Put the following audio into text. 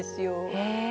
へえ。